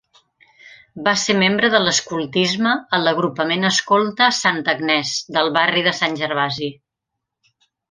Va ser membre de l'escoltisme a l'Agrupament Escolta Santa Agnès del barri de Sant Gervasi.